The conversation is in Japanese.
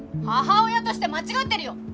母親として間違ってるよ。